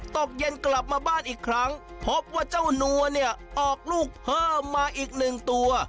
ตกเย็นกลับมาบ้านอีกครั้งพบว่าเจ้านัวเนี่ยออกลูกเพิ่มมาอีกหนึ่งตัว